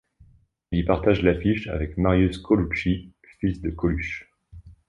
Il y partage l'affiche avec Marius Colucci, fils de Coluche.